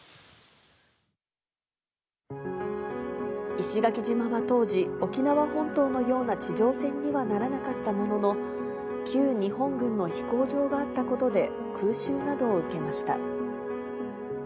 石垣島は当時、沖縄本島のような地上戦にはならなかったものの、旧日本軍の飛行場があったことで、空襲などを受けました。